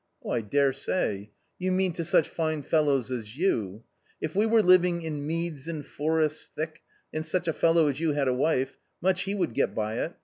...." I dare say ! you mean to such fine fellows as you. If we were living ' in meads and forests thick '— and such a fellow as you had a wife — much he would get by it!